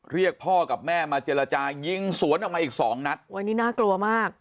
เรียกพ่อกับแม่มาเจรจายิงสวนออกมาอีกสองนัดวันนี้น่ากลัวมาก